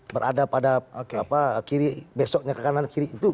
berada pada kiri besoknya ke kanan kiri itu